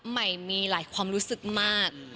ใหม่มีหลายความรู้สึกมาก